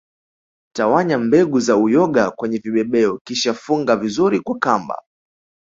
Tawanya mbegu za uyoga kwenye vibebeo kisha funga vizuri kwa kamba